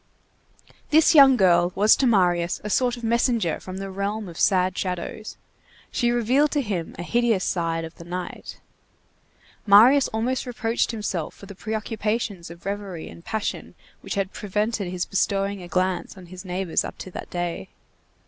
This young girl was to Marius a sort of messenger from the realm of sad shadows. She revealed to him a hideous side of the night. Marius almost reproached himself for the preoccupations of reverie and passion which had prevented his bestowing a glance on his neighbors up to that day.